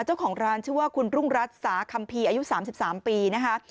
เจ้าของร้านชื่อว่าคุณรุ่งรัฐสาคัมภีร์อายุ๓๓ปีนะคะ